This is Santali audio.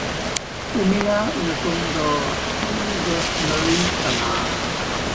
ᱩᱱᱤᱭᱟᱜ ᱧᱩᱛᱩᱢ ᱫᱚ ᱠᱤᱱᱜᱮᱥᱞᱟᱹᱭ ᱠᱟᱱᱟ᱾